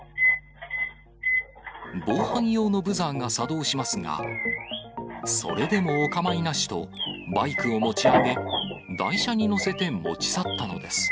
防犯用のブザーが作動しますが、それでもお構いなしと、バイクを持ち上げ、台車に載せて持ち去ったのです。